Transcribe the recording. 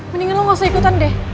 mendingan lo nggak usah ikutan deh